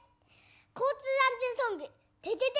交通安全ソング、ててて！